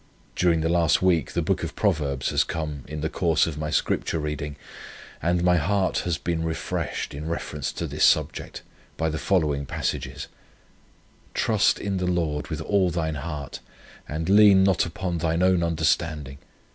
During the last week the Book of Proverbs has come, in the course of my Scripture reading, and my heart has been refreshed, in reference to this subject, by the following passages: 'Trust in the Lord with all thine heart; and lean not unto thine own understanding.